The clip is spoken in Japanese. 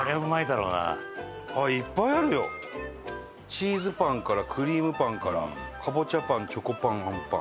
チーズパンからクリームパンからカボチャパンチョコパンあんぱん。